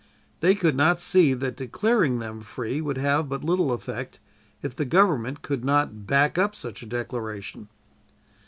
They could not see that declaring them free would have but little effect, if the government could not "back up" such a declaration.